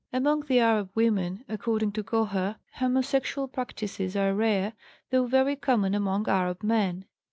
Among the Arab women, according to Kocher, homosexual practices are rare, though very common among Arab men.